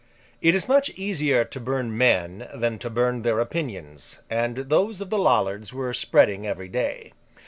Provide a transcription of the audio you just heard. It is much easier to burn men than to burn their opinions; and those of the Lollards were spreading every day.